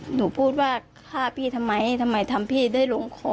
หนูพูดว่าฆ่าพี่ทำไมทำไมทำพี่ได้ลงคอ